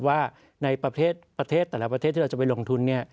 ว่าในประเทศแต่ละประเทศที่เราจะไปลงทุน